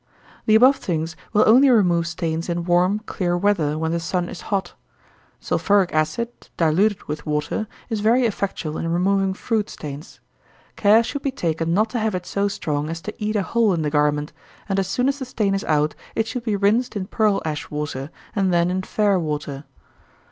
The above things will only remove stains in warm, clear weather, when the sun is hot. Sulphuric acid, diluted with water, is very effectual in removing fruit stains. Care should be taken not to have it so strong as to eat a hole in the garment, and as soon as the stain is out, it should be rinsed in pearl ash water, and then in fair water.